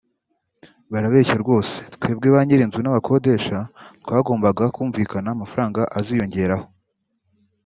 ”Barabeshya rwose twebwe bany’ir’inzu n’abakodesha twagombaga kumvikana amafaranga aziyongeraho